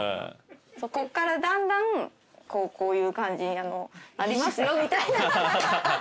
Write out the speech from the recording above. こっからだんだんこういう感じになりますよみたいな。